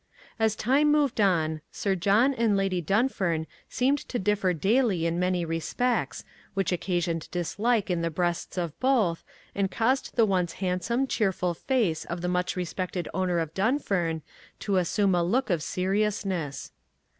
As time moved on, Sir John and Lady Dunfern seemed to differ daily in many respects, which occasioned dislike in the breasts of both, and caused the once handsome, cheerful face of the much respected owner of Dunfern to assume a look of seriousness.